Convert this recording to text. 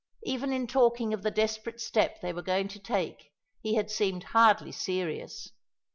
Even in talking of the desperate step they were going to take he had seemed hardly serious.